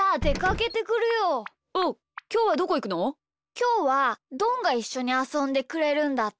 きょうはどんがいっしょにあそんでくれるんだって。